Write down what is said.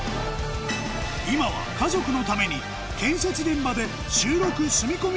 今は家族のために建設現場で週６住み込み